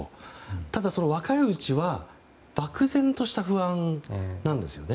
ただ若いうちは漠然とした不安なんですよね。